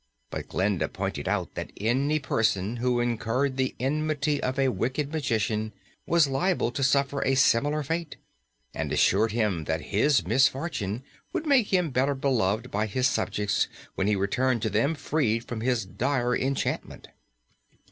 But Glinda pointed out that any person who incurred the enmity of a wicked magician was liable to suffer a similar fate, and assured him that his misfortune would make him better beloved by his subjects when he returned to them freed from his dire enchantment.